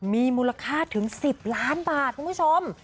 มีมูลค่าถึง๑๐ล้านบาทคุณผู้ชม